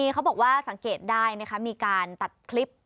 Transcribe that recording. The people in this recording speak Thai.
เขาบอกว่าสังเกตได้นะคะมีการตัดคลิป